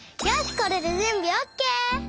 これでじゅんびオーケー！